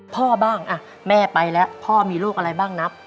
พ่อบ้างแม่ไปแล้วพ่อมีโรคอะไรบ้างนับ